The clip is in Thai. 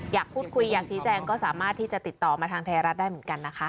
อยากพูดคุยอยากชี้แจงก็สามารถที่จะติดต่อมาทางไทยรัฐได้เหมือนกันนะคะ